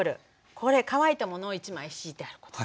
これ乾いたものを１枚敷いてあることです。